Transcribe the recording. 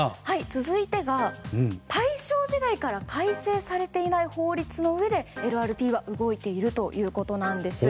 続いてが大正時代から改正されていない法律のうえでＬＲＴが動いているということです。